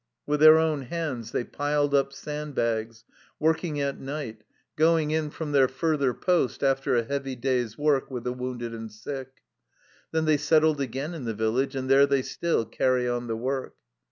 With their own hands they piled up sand bags, working at night, going in viii NOTE from their further post after a heavy day's work with the wounded and sick. Then they settled again in the village, and there they still carry on the work.